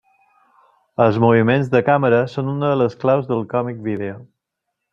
Els moviments de càmera són una de les claus del còmic vídeo.